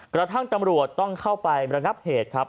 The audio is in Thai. กระทั่งตำรวจต้องเข้าไประงับเหตุครับ